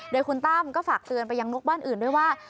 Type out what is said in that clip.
โดยคุณตั้มก็ฝากเตือนไปยังนกบ้านอื่นด้วยว่า